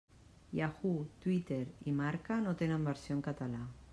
Yahoo!, Twitter i Marca no tenen versió en català.